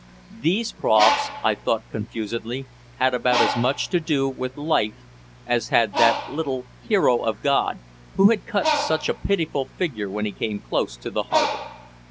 These profs, I thought confusedly, had about as much to do with life as had that little "hero of God" who had cut such a pitiful figure when he came close to the harbor.